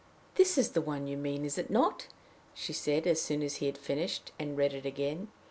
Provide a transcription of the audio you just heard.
"This is the one you mean, is it not?" she said, as soon as he had finished and read it again.